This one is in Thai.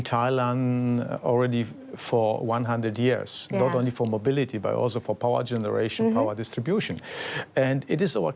ไม่แค่เพื่อส่วนการส่งแรงแต่ก็เพื่อส่งแรงให้พื้นธรรม